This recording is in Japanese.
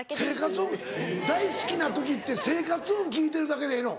大好きな時って生活音聞いてるだけでええの？